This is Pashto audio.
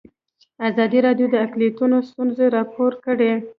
ازادي راډیو د اقلیتونه ستونزې راپور کړي.